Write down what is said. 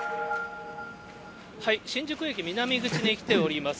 新宿駅南口に来ております。